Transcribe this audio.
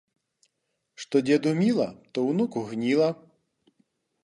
Што дзеду міла, то ўнуку гніла